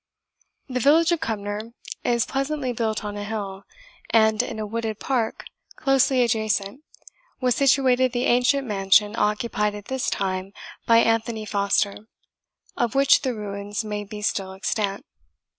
The village of Cumnor is pleasantly built on a hill, and in a wooded park closely adjacent was situated the ancient mansion occupied at this time by Anthony Foster, of which the ruins may be still extant.